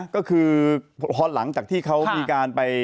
ก็คือพอหลังจากที่เขามีการไป